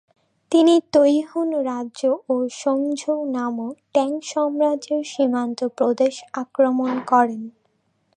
তিনি তুয়ুহুন রাজ্য ও সোংঝৌ নামক ট্যাং সাম্রাজ্যের সীমান্ত প্রদেশ আক্রমণ করেন।